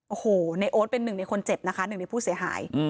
โอ้โหในโอ๊ตเป็นหนึ่งในคนเจ็บนะคะหนึ่งในผู้เสียหาย